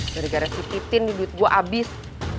dari garasi pipin duit gue abis